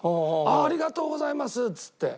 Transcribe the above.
「ありがとうございます！」っつって。